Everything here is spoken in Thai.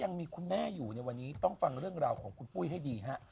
ยังมีคุณแม่อยู่ในวันนี้ต้องฟังเรื่องราวของคุณปุ้ยให้ดีฮะ